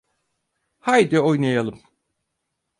Haydi oynayalım.